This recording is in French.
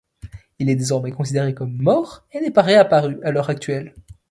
Il est désormais considéré comme mort, et n'est pas réapparu à l'heure actuelle.